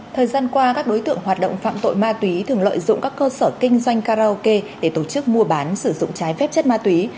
thời gian qua các đối tượng hoạt động phạm tội ma túy thường lợi dụng các cơ sở kinh doanh karaoke để tổ chức mua bán sử dụng trái phép chất ma túy